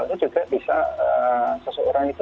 itu juga bisa seseorang itu